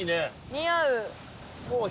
似合う。